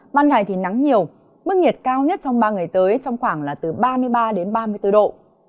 ban ngày thì nắng nhiều mức nhiệt cao nhất trong ba ngày tới trong khoảng là từ ba mươi ba đến ba mươi bốn độ